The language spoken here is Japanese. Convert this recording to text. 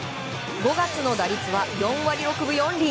５月の打率は４割６分４厘。